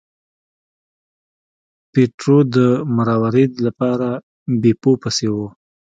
پیټرو د مروارید لپاره بیپو پسې و.